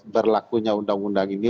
berlakunya undang undang ini